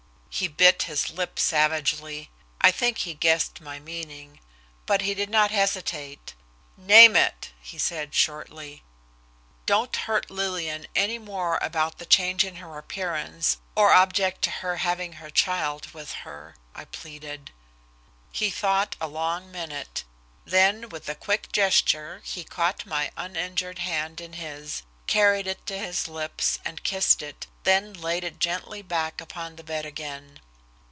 He bit his lip savagely I think he guessed my meaning but he did not hesitate. "Name it," he said shortly. "Don't hurt Lillian any more about the change in her appearance or object to her having her child with her," I pleaded. He thought a long minute, then with a quick gesture he caught my uninjured hand in his, carried it to his lips, and kissed it, then laid it gently back upon the bed again.